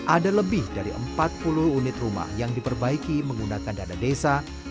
ada lebih dari empat puluh unit rumah yang diperbaiki menggunakan dana desa